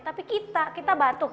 tapi kita kita batuk